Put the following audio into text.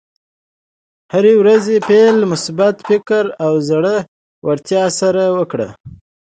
د هرې ورځې پیل د مثبت فکر او زړۀ ورتیا سره وکړه.